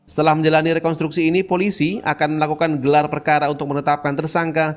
setelah menjalani rekonstruksi ini polisi akan melakukan gelar perkara untuk menetapkan tersangka